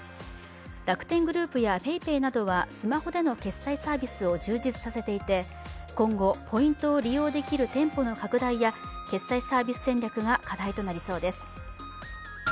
楽天グループや、ＰａｙＰａｙなどはスマホでの決済サービスを充実させていて今後ポイントを利用できる店舗の拡大や決済サービス戦略が課題となりそうです。